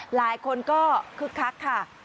หลายคนก็คึกคักค่ะ